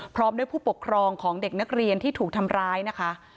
พร้อมด้วยผู้ปกครองของเด็กนักเรียนที่ถูกทำร้ายนะคะ